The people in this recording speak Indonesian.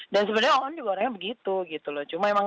dan sebenarnya oon juga orangnya begitu gitu loh